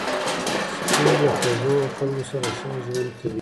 سپي له خوږو خلکو سره ښه ژوند کوي.